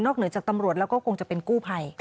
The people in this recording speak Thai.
เหนือจากตำรวจแล้วก็คงจะเป็นกู้ภัย